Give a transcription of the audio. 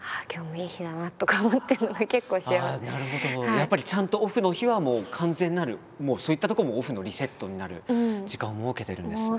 やっぱりちゃんとオフの日はもう完全なるそういったとこもオフのリセットになる時間を設けてるんですね。